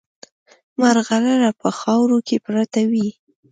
مرغلره په خاورو کې پرته وي.